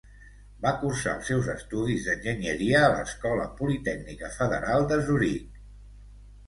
Va cursar els seus estudis d'enginyeria a l'Escola Politècnica Federal de Zuric.